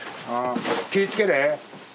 気ぃ付けて。